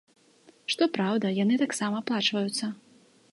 Што праўда, яны таксама аплачваюцца.